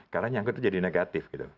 karena nyangkut itu jadi negatif gitu